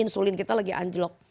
insulin kita lagi anjlok